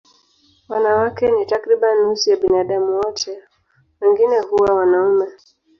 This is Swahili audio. Wanawake ni takriban nusu ya binadamu wote, wengine huwa wanaume.